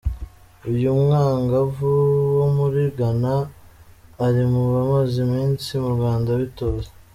Uyu mwangavu wo muri Ghana ari mu bamaze iminsi mu Rwanda bitoza.